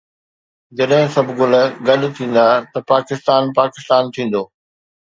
جڏهن سڀ گل گڏ ٿيندا ته پاڪستان پاڪستان ٿيندو